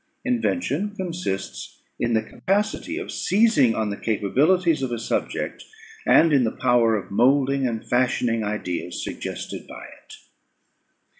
Invention consists in the capacity of seizing on the capabilities of a subject, and in the power of moulding and fashioning ideas suggested to it.